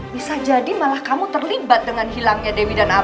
bisa jadi malah kamu terlibat dengan hilangnya dewi dan abah